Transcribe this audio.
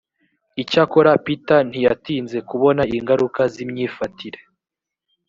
icyakora peter ntiyatinze kubona ingaruka z imyifatire